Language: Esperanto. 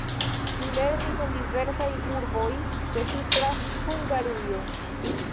Li lernis en diversaj urboj de Supra Hungarujo.